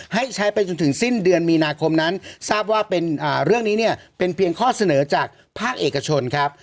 ให้ใช้ไปจนถึงสิ้นเดือนมีนาคมนั้นทราบว่าเป็นเรื่องนี้เนี่ยเป็นเพียงข้อเสนอจากภาคเอกชนครับ